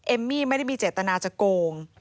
มมี่ไม่ได้มีเจตนาจะโกง